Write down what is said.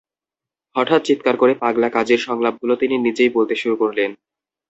হঠাৎ চিৎকার করে পাগলা কাজীর সংলাপগুলো তিনি নিজেই বলতে শুরু করলেন।